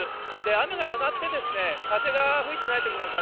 雨が上がって、風が吹いてないときなんか、